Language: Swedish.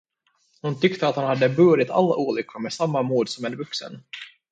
Hon tyckte att han hade burit alla olyckor med samma mod som en vuxen.